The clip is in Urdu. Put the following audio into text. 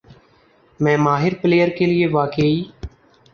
میں ماہر پلئیر کے لیے واقعی